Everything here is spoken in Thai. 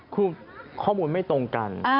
คือข้อมูลไม่ตรงกัน